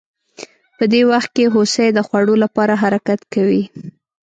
په دې وخت کې هوسۍ د خوړو لپاره حرکت کوي